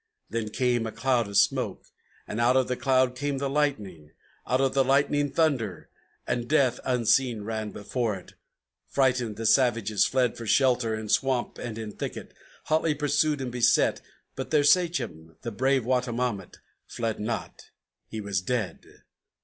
Then came a cloud of smoke, and out of the cloud came the lightning, Out of the lightning thunder; and death unseen ran before it. Frightened the savages fled for shelter in swamp and in thicket, Hotly pursued and beset; but their sachem, the brave Wattawamat, Fled not; he was dead.